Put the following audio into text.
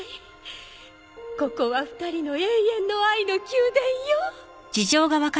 ここは２人の永遠の愛の宮殿よ。